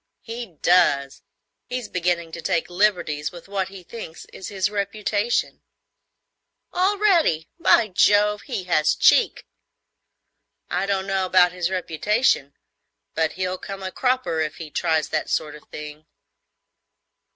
"He does. He's beginning to take liberties with what he thinks is his reputation." "Already! By Jove, he has cheek! I don't know about his reputation, but he'll come a cropper if he tries that sort of thing."